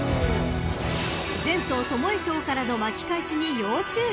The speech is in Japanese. ［前走巴賞からの巻き返しに要注意！］